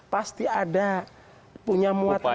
pasti ada punya muatan